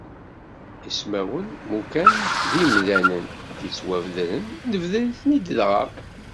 Ismawen, mukan d yimdanen d-ittwabedren, nebder-iten-id dɣa.